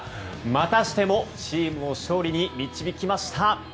またしてもチームを勝利に導きました。